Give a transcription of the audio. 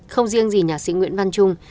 không riêng gì nhạc sĩ nguyễn văn trung